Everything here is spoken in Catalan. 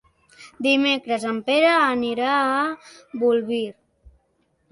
Dimecres en Pere anirà a Bolvir.